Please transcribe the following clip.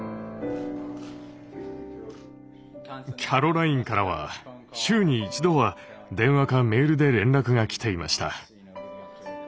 キャロラインからは週に一度は電話かメールで連絡が来ていました。